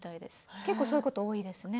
結構そういうこと多いですね。